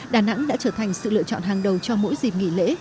đà nẵng đã trở thành sự lựa chọn hàng đầu cho mỗi dịp nghỉ lễ